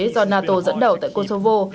do nato dẫn đầu tại kosovo